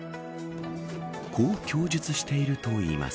こう供述しているといいます。